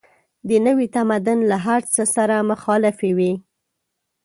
د نوي تمدن له هر څه سره مخالفې وې.